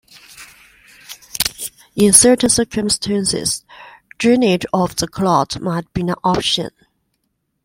In certain circumstances drainage of the clot might be an option.